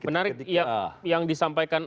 menarik yang disampaikan